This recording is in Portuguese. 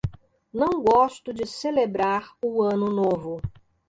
Não gosto de celebrar o ano novo